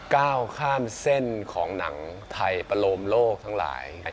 ก้าวข้ามเส้นของหนังไทยประโลมโลกทั้งหลาย